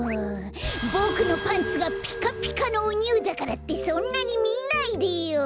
ボクのパンツがピカピカのおニューだからってそんなにみないでよ！